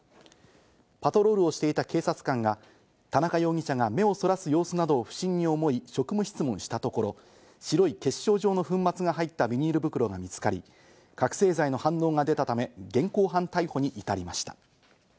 パトロールをしていた警察官が田中容疑者が目をそらす様子などを不審に思い、職務質問したところ、白い結晶状の粉末が入ったビニール袋が見つかり、覚醒剤の反応が出たため現行犯逮捕に至りました。